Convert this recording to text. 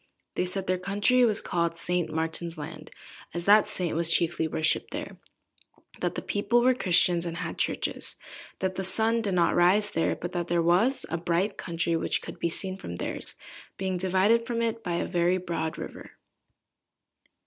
They said their country was called St. Martin's Land, as that saint was chiefly worshipped there; that the people were Christians, and had churches; that the sun did not rise there, but that there was a bright country which could be seen from theirs, being divided from it by a very broad river.